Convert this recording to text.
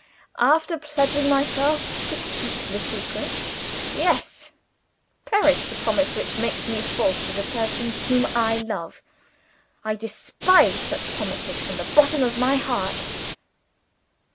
after pledging myself to keep the secret? Yes. Perish the promise which makes me false to a person whom I love! I despise such promises from the bottom of my heart.